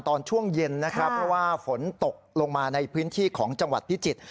ตอนช่วงเย็นนะครับเพราะว่าฝนตกลงมาในพื้นที่ของจังหวัดพิจิตร